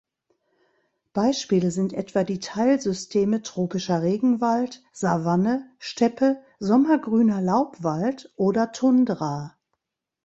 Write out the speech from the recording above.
Beispiele sind etwa die Teilsysteme tropischer Regenwald, Savanne, Steppe, sommergrüner Laubwald oder Tundra.